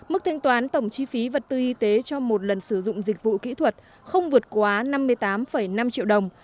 mức thanh toán tổng chi phí vật tư y tế cho một lần sử dụng dịch vụ kỹ thuật không vượt quá năm mươi tám năm triệu đồng